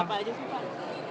siapa aja sih pak